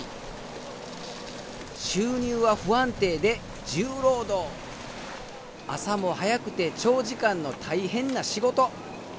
収入は不安定で重労働朝も早くて長時間の大変な仕事。